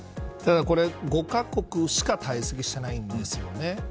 これ５カ国しか退席してないんですよね。